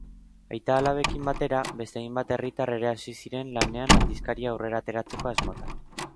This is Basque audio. Aita-alabekin batera, beste hainbat herritar ere hasi ziren lanean aldizkaria aurrera ateratzeko asmotan.